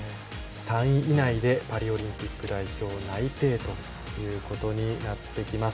３位以内でパリオリンピック代表内定ということになってきます。